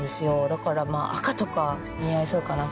だから赤とか似合いそうかな